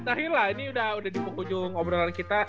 nah ini udah di penghujung obrolan kita